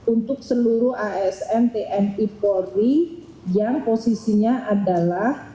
untuk seluruh asn tni polri yang posisinya adalah